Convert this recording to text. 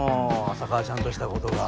浅川ちゃんとしたことが。